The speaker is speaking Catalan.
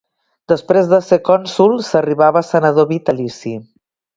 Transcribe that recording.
Després de ser cònsol s'arribava a senador vitalici.